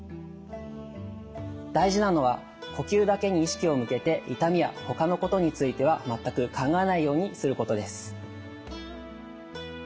大事なのは呼吸だけに意識を向けて痛みや他のことについては全く考えないようにすることです。